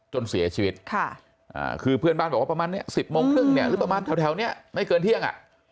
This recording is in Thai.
จนเสียชีวิตคือเพื่อนบ้านบอกว่าประมาณนี้๑๐โมงครึ่งเนี่ยหรือประมาณแถวนี้ไม่เกินเที่ยง